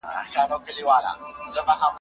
سیپارې د ماشومانو په لاسو کې